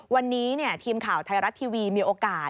วันนี้ทีมข่าวไทยรัฐทีวีมีโอกาส